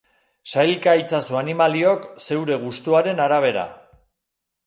Sailka itzazu animaliok zeure gustuaren arabera.